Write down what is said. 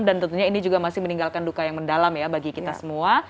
dan tentunya ini juga masih meninggalkan duka yang mendalam bagi kita semua